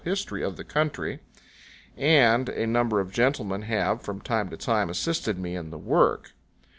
history of the country, and a number of gentlemen have, from time to time, assisted me in the work.